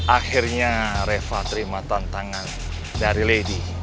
akhirnya reva terima tantangan dari lady